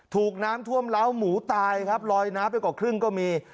ถูกน้ำท่วมล้าหมูตายครับลอยน้ำไปกว่าครึ่งก็มี